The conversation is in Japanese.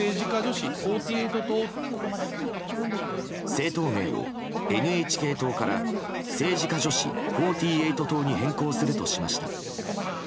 政党名をＮＨＫ党から政治家女子４８党に変更するとしました。